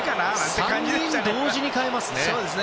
３人同時に代えますね。